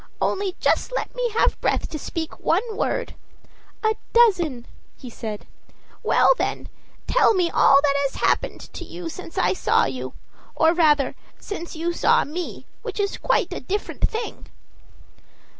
Only just let me have breath to speak one word." "A dozen!" he said. "Well, then, tell me all that has happened to you since I saw you or, rather, since you saw me, which is quite a different thing."